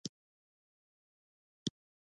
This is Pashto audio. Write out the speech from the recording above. اووه پنځوس اتۀ پنځوس نهه پنځوس